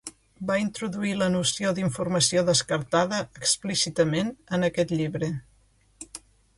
Va introduir la noció d'informació descartada explícitament en aquest llibre.